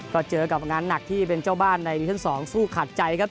ก็เจอกับงานหนักที่เป็นเจ้าบ้านในดิวิชั่น๒สู้ขาดใจครับ